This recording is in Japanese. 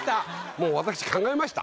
もう私考えました。